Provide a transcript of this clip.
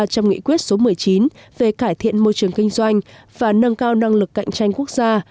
trong nghị quyết số một mươi chín về cải thiện môi trường kinh doanh và nâng cao năng lực cạnh tranh quốc gia